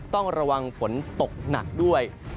ต้องระวังฝนตกหนักด้วย